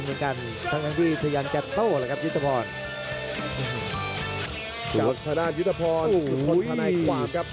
ตามทาด้านวิทยาภรณ์คนธนายความครับ